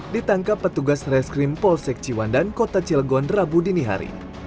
ditangkap petugas reskrim polsek ciwandan kota cilegon rabu dini hari